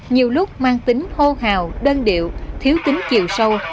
nhiều lúc mang tính hô hào đơn điệu thiếu tính chiều sâu